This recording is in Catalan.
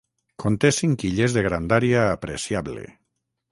Conté cinc illes de grandària apreciable.